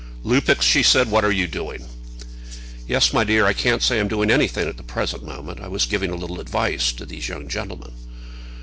"Lupex," she said, "what are you doing?" "Yes, my dear. I can't say I'm doing anything at the present moment. I was giving a little advice to these young gentlemen."